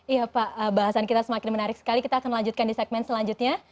iya pak bahasan kita semakin menarik sekali kita akan lanjutkan di segmen selanjutnya